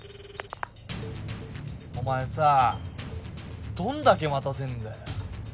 お前さどんだけ待たせんだよ。